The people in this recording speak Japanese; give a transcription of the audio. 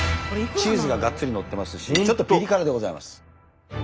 チーズがガッツリのってますしちょっとピリ辛でございます。